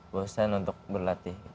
bosan untuk berlatih